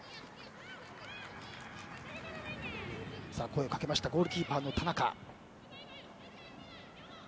声をかけましたゴールキーパーの田中。